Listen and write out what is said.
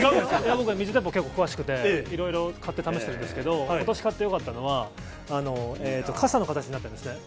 僕、水鉄砲結構詳しくて、いろいろ、買って試してるんですけれども、ことし買ってよかったのは、傘の形になってるんですね。